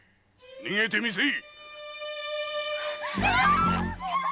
逃げてみせい！